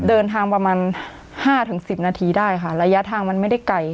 เดินทางประมาณห้าถึงสิบนาทีได้ค่ะระยะทางมันไม่ได้ไกล